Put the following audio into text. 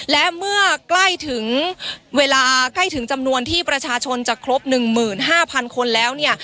และเมื่อใกล้ถึงเวลาใกล้ถึงจำนวนที่ประชาชนจะครบหนึ่งหมื่นห้าพันคนแล้วเนี่ย